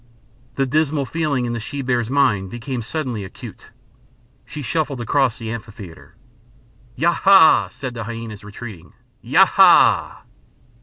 The dismal feeling in the she bear's mind became suddenly acute. She shuffled across the amphitheatre. "Ya ha!" said the hyænas, retreating. "Ya ha!"